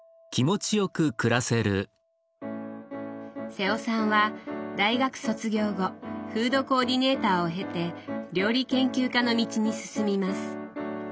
瀬尾さんは大学卒業後フードコーディネーターを経て料理研究家の道に進みます。